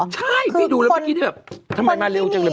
ใช่พี่ดูแล้วเมื่อกี้แบบทำไมมาเร็วจังเลย